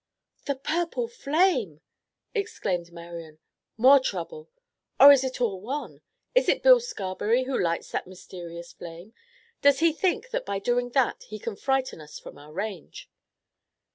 "The purple flame!" exclaimed Marian. "More trouble. Or is it all one? Is it Bill Scarberry who lights that mysterious flame? Does he think that by doing that he can frighten us from our range?"